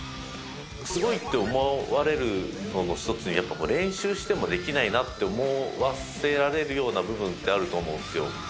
すごいって思われる事の１つにやっぱ練習してもできないなって思わせられるような部分ってあると思うんですよ。